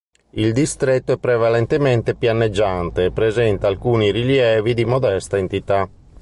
Il distretto è prevalentemente pianeggiante e presenta alcuni rilievi di modesta entità.